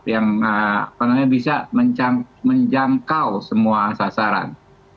yang bisa menjangkau semua sasaran